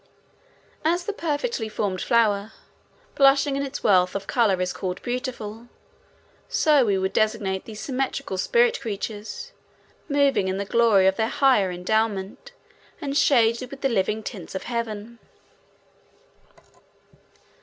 As the perfectly formed flower, blushing in its wealth of color, is called beautiful, so we would designate these symmetrical spirit creatures, moving in the glory of their higher endowment and shaded with the living tints of Heaven.